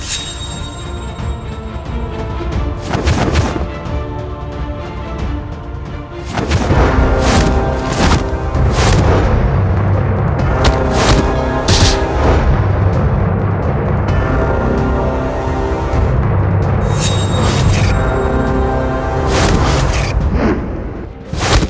sampai dia mati